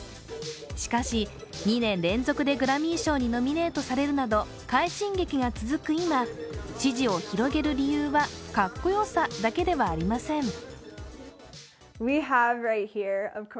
しかし、２年連続でグラミー賞にノミネートされるなど快進撃が続く今、支持を広げる理由はかっこよさだけではありません。